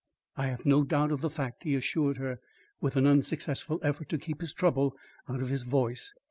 "I have no doubt of the fact," he assured her, with an unsuccessful effort to keep his trouble out of his voice.